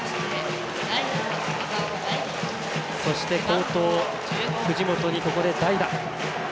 そして、好投、藤本にここで代打。